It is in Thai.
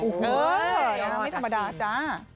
โอ้โหไม่ธรรมดาจ้า